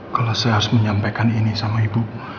kalau saya harus menyampaikan ini sama ibu